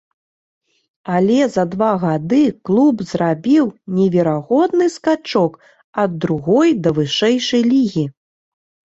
Але за два гады клуб зрабіў неверагодны скачок ад другой да вышэйшай лігі.